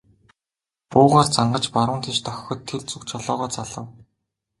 Буугаар зангаж баруун тийш дохиход тэр зүг жолоогоо залав.